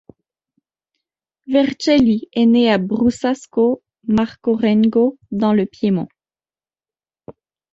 Vercelli est né à Brusasco-Marcorengo dans le Piémont.